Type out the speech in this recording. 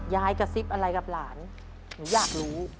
กระซิบอะไรกับหลานหนูอยากรู้